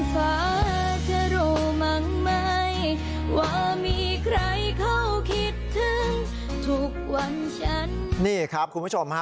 ฮ่าฮ่าว่ามีใครเขาคิดถึงทุกวันนี่ครับคุณผู้ชมฮะ